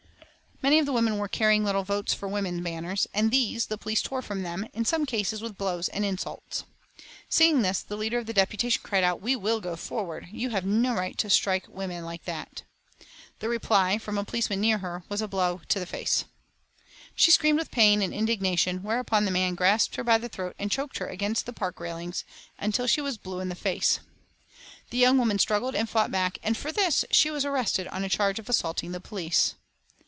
Many of the women were carrying little "Votes for Women" banners, and these the police tore from them, in some cases with blows and insults. Seeing this, the leader of the deputation cried out: "We will go forward. You have no right to strike women like that." The reply, from a policeman near her, was a blow in the face. She screamed with pain and indignation, whereupon the man grasped her by the throat and choked her against the park railings until she was blue in the face. The young woman struggled and fought back, and for this she was arrested on a charge of assaulting the police.